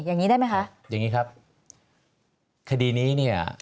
อย่างนี้ได้ไหมคะอย่างนี้ครับคดีนี้เนี่ย